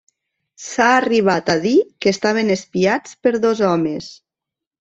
S'ha arribat a dir que estaven espiats per dos homes.